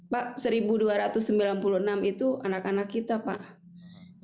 pak seribu dua ratus sembilan puluh enam itu anak anak kita pak